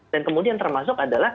dan kemudian termasuk adalah